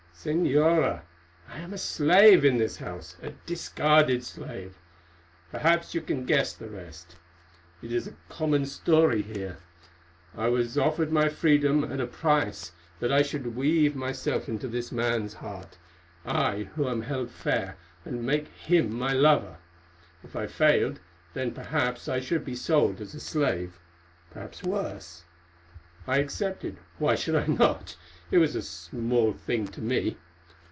"Señora, I am a slave in this house, a discarded slave. Perhaps you can guess the rest, it is a common story here. I was offered my freedom at a price, that I should weave myself into this man's heart, I who am held fair, and make him my lover. If I failed, then perhaps I should be sold as a slave—perhaps worse. I accepted—why should I not? It was a small thing to me.